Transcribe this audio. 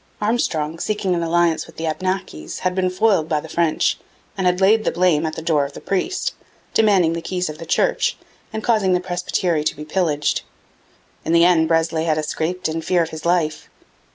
Armstrong, seeking an alliance with the Abnakis, had been foiled by the French and had laid the blame at the door of the priest, demanding the keys of the church and causing the presbytery to be pillaged. In the end Breslay had escaped in fear of his life.